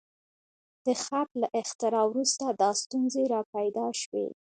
د خط له اختراع وروسته دا ستونزې راپیدا شوې.